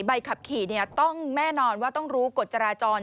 ใบขับขี่ต้องแน่นอนว่าต้องรู้กฎจราจร